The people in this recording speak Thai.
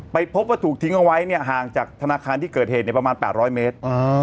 พบว่าถูกทิ้งเอาไว้เนี่ยห่างจากธนาคารที่เกิดเหตุประมาณ๘๐๐เมตร